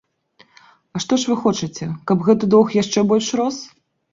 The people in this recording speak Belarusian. А што ж вы хочаце, каб гэты доўг яшчэ больш рос?